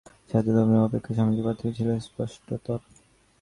আর ইংরেজ-শাসনে বিজেতাদিগের সহিত তাহাদের ধর্ম অপেক্ষা সামাজিক পার্থক্যই ছিল স্পষ্টতর।